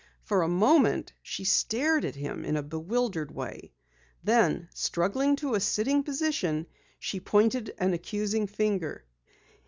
For a moment she stared at him in a bewildered way. Then, struggling to a sitting position, she pointed an accusing finger.